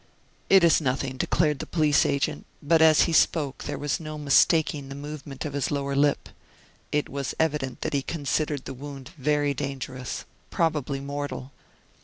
"It is nothing," declared the police agent, but as he spoke there was no mistaking the movement of his lower lip. It was evident that he considered the wound very dangerous, probably mortal.